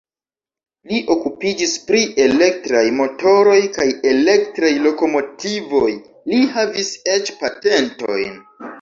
Li okupiĝis pri elektraj motoroj kaj elektraj lokomotivoj, li havis eĉ patentojn.